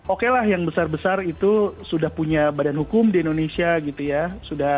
oke lah yang besar besar itu sudah punya badan hukum di indonesia gitu ya